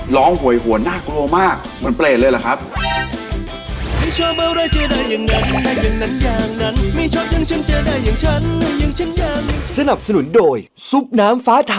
ร้องห่วยห่วนน่ากลัวมาก